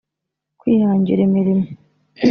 kwihangira imirimo